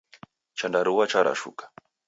Chandarua charashuka.